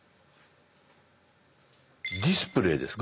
「ディスプレイ」ですか？